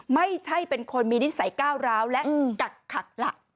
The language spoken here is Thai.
ไม่ใช่เป็นคนมีนิสัยก้าวร้าวและกักขักล่ะ